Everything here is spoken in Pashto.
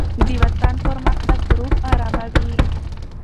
دوطن پرمختګ روح آراموي